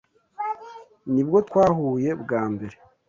Nibwo twahuye bwa mbere.